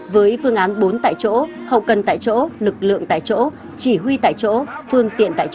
với phương án bốn tại chỗ hậu cần tại chỗ lực lượng tại chỗ chỉ huy tại chỗ phương tiện tại chỗ